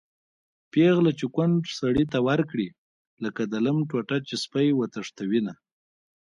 پېغله چې کونډ سړي ته ورکړي-لکه د لم ټوټه چې سپی وتښتوېنه